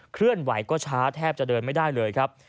เคลื่อนไหวก็ช้าแทบจะเดินไม่ได้เลยครับ